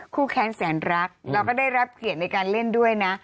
แค้นแสนรักเราก็ได้รับเกียรติในการเล่นด้วยนะ